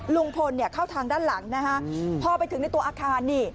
ลุงพลเข้าทางด้านหลังนะฮะพอไปถึงในตัวอาคารนี่